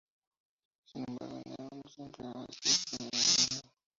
Sin embargo, enero no siempre ha sido el primer mes del año.